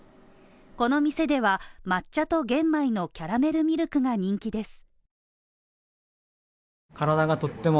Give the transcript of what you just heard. この店では、抹茶と玄米のキャラメルミルクが人気です。